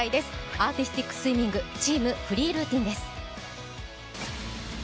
アーティスティックスイミングチーム・フリールーティンです。